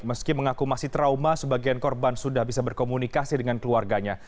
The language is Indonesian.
meski mengaku masih trauma sebagian korban sudah bisa berkomunikasi dengan keluarganya